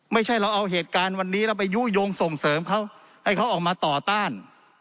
ไม่ใช่เราเอาเหตุการณ์วันนี้แล้วไปยุโยงส่งเสริมเขาให้เขาออกมาต่อต้าน